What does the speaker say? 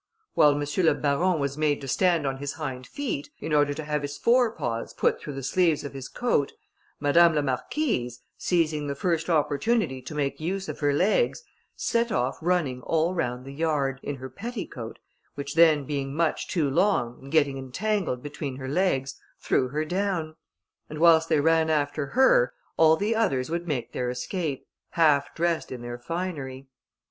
While M. le Baron was made to stand on his hind feet, in order to have his fore paws put through the sleeves of his coat, Madame la Marquise, seizing the first opportunity to make use of her legs, set off running all round the yard, in her petticoat, which being then much too long, and getting entangled between her legs, threw her down; and whilst they ran after her, all the others would make their escape, half dressed in their finery.